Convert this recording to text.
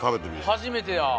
初めてや。